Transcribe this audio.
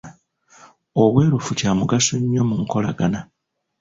Obwerufu kya mugaso nnyo mu nkolagana.